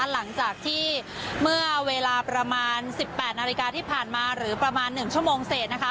หลังจากที่เมื่อเวลาประมาณ๑๘นาฬิกาที่ผ่านมาหรือประมาณ๑ชั่วโมงเสร็จนะคะ